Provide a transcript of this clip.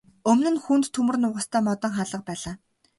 Өмнө нь хүнд төмөр нугастай модон хаалга байлаа.